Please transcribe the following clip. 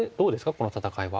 この戦いは。